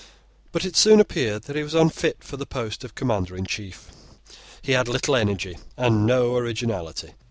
But it soon appeared that he was unfit for the post of Commander in Chief. He had little energy and no originality.